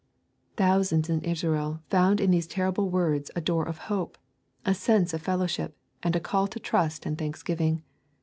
Thousands in Israel found in these terrible words a door of hope, a sense of fellowship, and a call to trust and thanksgiving.